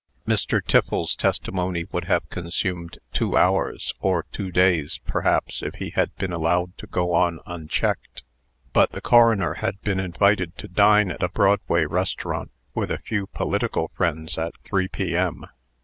Mr. Tiffles's testimony would have consumed two hours, or two days, perhaps, if he had been allowed to go on unchecked. But the coroner had been invited to dine at a Broadway restaurant, with a few political friends, at three P.M.